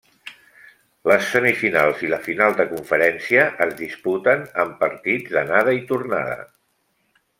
Les semifinals i la final de conferència es disputen amb partits d'anada i tornada.